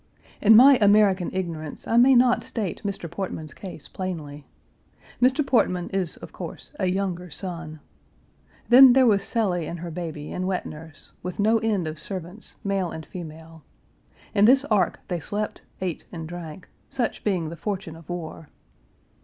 In my American ignorance I may not state Mr. Portman's case plainly. Mr. Portman is, of course, a younger son. Then there was Cellie and her baby and wet nurse, with no end of servants, male and female. In this ark they slept, ate, and drank, such being the fortune of war.